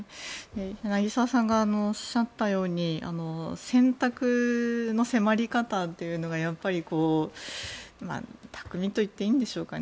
柳澤さんがおっしゃったように選択の迫り方というのがやっぱり巧みと言っていいんでしょうかね。